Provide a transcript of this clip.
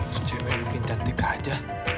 itu cewek mungkin cantik aja